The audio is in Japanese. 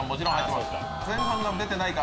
前半が出てないか？